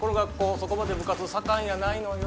そこまで部活盛んやないのよ